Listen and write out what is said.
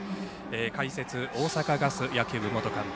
解説、大阪ガス野球部元監督